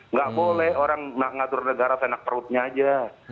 nggak boleh orang ngatur negara tenak perutnya aja